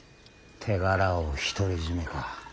手柄を独り占めか。